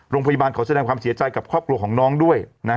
โรงพยาบาลขอแสดงความเสียใจกับครอบครัวของน้องด้วย